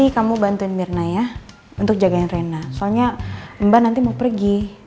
kamu bantuin mirna ya untuk jagain rena soalnya mbak nanti mau pergi